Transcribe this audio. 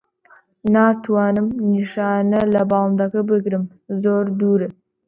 ناتوانم نیشانە لە باڵندەکە بگرم. زۆر دوورە.